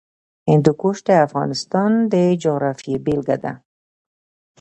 هندوکش د افغانستان د جغرافیې بېلګه ده.